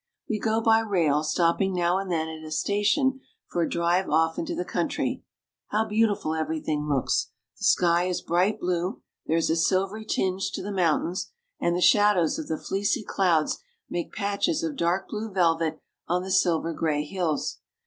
We go by rail, stopping now and then at a station for a drive off into the country. How beauti ful everything looks ! The sky is bright blue, there is a silvery tinge to the mountains, and the shadows of the fleecy clouds make patches of dark blue velvet on the silver gray hills.